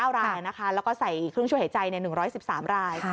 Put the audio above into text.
๕๖๙รายนะคะแล้วก็ใส่ครึ่งช่วยหายใจใน๑๑๓ราย